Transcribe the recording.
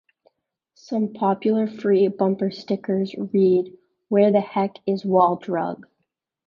Some popular free bumper stickers read Where the heck is Wall Drug?